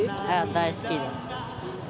大好きです。